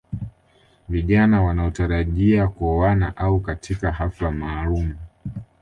Vijana wanaotarajia kuoana au katika hafla maalum